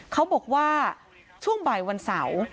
เขาบอกว่าช่วงบ่ายวันเสาร์